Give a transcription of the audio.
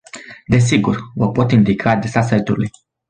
Desigur, vă pot indica adresa site-ului.